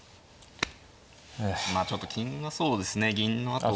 まあちょっと金がそうですね銀のあとがええ。